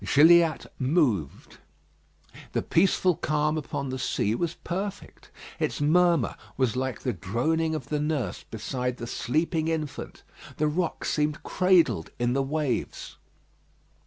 Gilliatt moved. The peaceful calm upon the sea was perfect. Its murmur was like the droning of the nurse beside the sleeping infant. The rock seemed cradled in the waves.